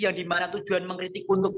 yang dimana tujuan mengkritik untuk